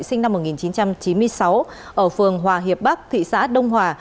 sinh năm một nghìn chín trăm chín mươi sáu ở phường hòa hiệp bắc thị xã đông hòa